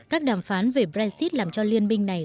các đàm phán về brexit làm cho liên minh này